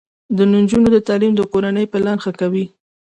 د نجونو تعلیم د کورنۍ پلان ښه کوي.